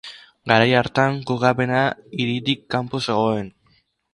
Garai hartan kokapena hiritik kanpo zegoen.